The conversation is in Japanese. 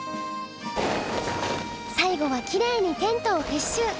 最後はきれいにテントを撤収！